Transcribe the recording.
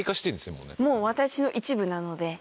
もう私の一部なので。